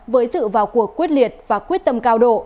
với sự vào cuộc quyết liệt và quyết tâm cao độ